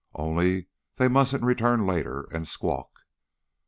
Only they mustn't return later and squawk.